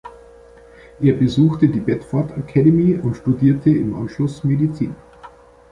Er besuchte die "Bedford Academy" und studierte im Anschluss Medizin.